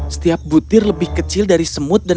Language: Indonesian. setiap butir lebih kecil dari semut dan